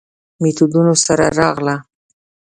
میتودونو سره راغله.